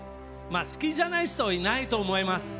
好きじゃない人はいないと思います。